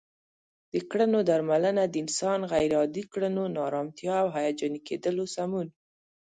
د کړنو درملنه د انسان غیر عادي کړنو، ناآرامتیا او هیجاني کیدلو سمون